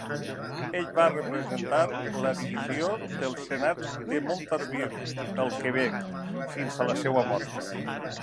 Ell va representar la divisió del senat de Montarville, el Quebec, fins a la seva mort.